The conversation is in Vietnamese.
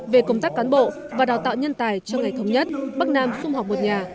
về công tác cán bộ và đào tạo nhân tài cho ngày thống nhất bắc nam xung học một nhà